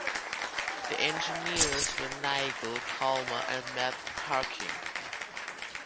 The engineers were Nigel Palmer and Matt Parkin.